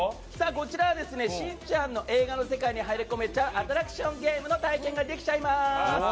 こちらは、しんちゃんの映画の世界に入り込めちゃうアトラクションゲームの体験ができちゃいます。